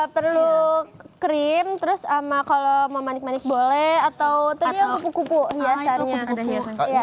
perlu krim terus sama kalau mau manik manik boleh atau kupu kupu niatannya